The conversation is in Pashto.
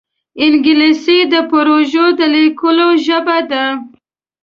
انګلیسي د پروژو د لیکلو ژبه ده